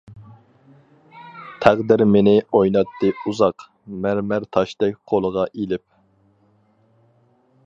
تەقدىر مېنى ئويناتتى ئۇزاق، مەرمەر تاشتەك قولىغا ئېلىپ.